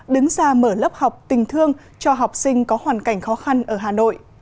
đứng ra mở lớp học tình thương cho học sinh có hoàn cảnh khó khăn ở hà nội